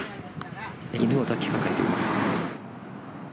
犬を抱きかかえています。